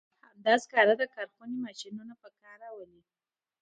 همدا سکاره د کارخونې ماشینونه په کار راولي.